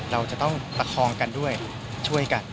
เราจะต้องประคองกันด้วยช่วยกัน